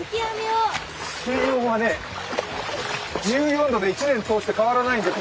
水温は１４度で１年通して変わらないんです。